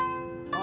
あ！